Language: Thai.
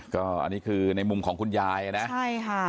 ก็อันนี้คือในมุมของคุณยายนะใช่ค่ะ